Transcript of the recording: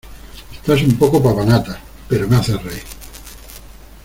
Estás un poco papanatas, pero me haces reír.